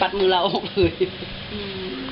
ปัดมือเราออกเลย